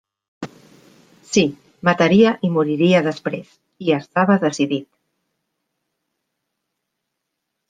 Sí; mataria i moriria després; hi estava decidit.